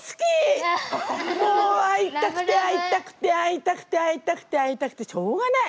もう会いたくて会いたくて会いたくて会いたくて会いたくてしょうがない。